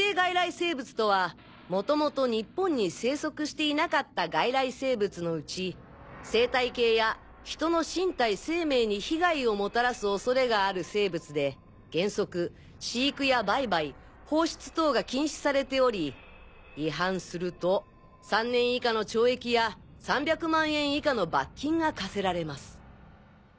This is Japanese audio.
生物とはもともと日本に生息していなかった外来生物のうち生態系や人の身体生命に被害をもたらす恐れがある生物で原則飼育や売買放出等が禁止されており違反すると３年以下の懲役や３００万円以下の罰金が科せられます。